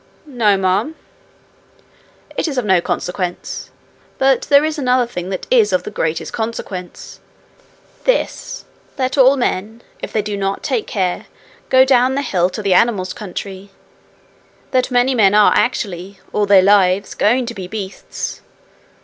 'No, ma'am.' 'It is of no consequence. But there is another thing that is of the greatest consequence this: that all men, if they do not take care, go down the hill to the animals' country; that many men are actually, all their lives, going to be beasts.